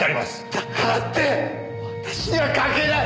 だからって私には関係ない！